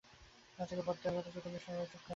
তা থেকে ব্যত্যয় ঘটছে কিন্তু সবাই চুপ কেন?